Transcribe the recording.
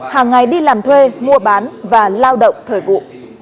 hàng ngày đi làm thuê mua bán và lao động thời vụ